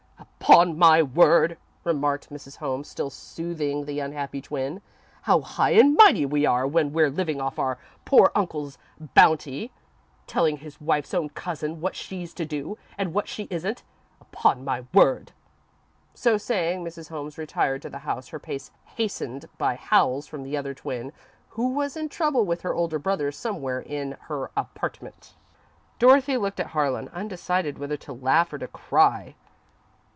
"Upon my word," remarked Mrs. Holmes, still soothing the unhappy twin. "How high and mighty we are when we're living off our poor dead uncle's bounty! Telling his wife's own cousin what she's to do, and what she isn't! Upon my word!" So saying, Mrs. Holmes retired to the house, her pace hastened by howls from the other twin, who was in trouble with her older brother somewhere in her "apartment." Dorothy looked at Harlan, undecided whether to laugh or to cry.